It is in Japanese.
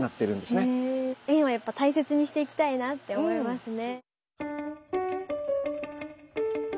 縁はやっぱ大切にしていきたいなって思いますね。